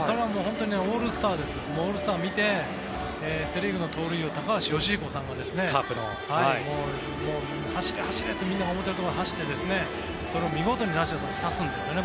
オールスターを見てセ・リーグの盗塁王高橋慶彦さんが走れ、走れってみんなが思っているところを走って、それを見事に梨田さんが刺すんですね。